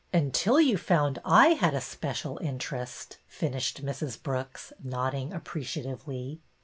'' Until you found I had a special interest," finished Mrs. Brooks, nodding appreciatively.